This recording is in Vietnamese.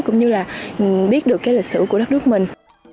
cũng như là biết được cái lịch sử của đất nước mình